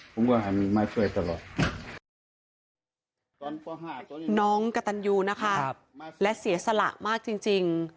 น้องกะตันยูนะครับและเสียสละมากจริง